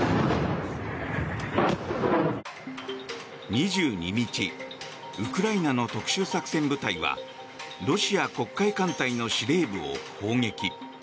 ２２日、ウクライナの特殊作戦部隊はロシア黒海艦隊の司令部を攻撃。